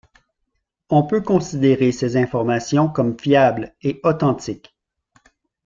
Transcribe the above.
On peut considérer ses informations comme fiables et authentiques.